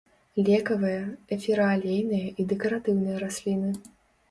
Лекавыя, эфіраалейныя і дэкаратыўныя расліны.